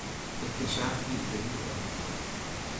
Ik kin saterdei de hiele dei.